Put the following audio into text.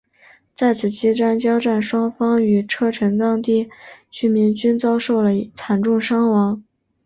在此期间交战双方与车臣当地居民均遭受了惨重伤亡。